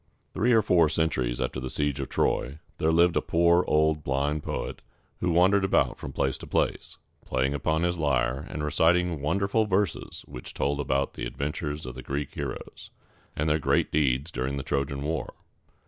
Three or four centuries after the siege of Troy, there lived a poor old blind poet who wandered about from place to place, playing upon his lyre, and reciting wonderful verses which told about the adventures of the Greek heroes, and their great deeds during the Trojan War.